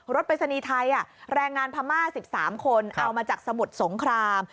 ปริศนีย์ไทยแรงงานพม่า๑๓คนเอามาจากสมุทรสงคราม